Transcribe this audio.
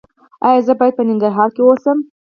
ایا زه باید په ننګرهار کې اوسم؟